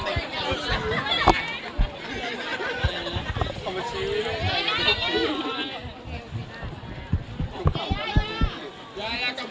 เพราะว่ารักหลักเสื้อกับผู้ค่อนข้างไหว